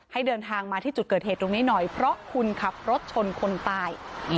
ให้เดินทางมาที่จุดเกิดเหตุตรงนี้หน่อยเพราะคุณขับรถชนคนตาย